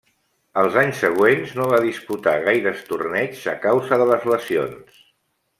Els anys següents no va disputar gaires torneigs a causa de les lesions.